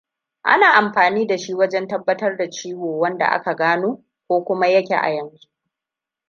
Ana amfani dashi wajen tabbatar da ciwo wanda aka gano ko kuma yake ayanzu.